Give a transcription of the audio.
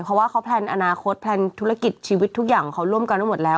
เพราะว่าเขาแพลนอนาคตแพลนธุรกิจชีวิตทุกอย่างเขาร่วมกันทั้งหมดแล้ว